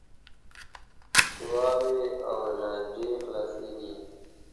دعاوې او لانجې خلاصیږي .